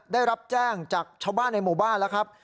ได้รับแจ้งจากชาวบ้านในหมู่บ้านแล้วครับ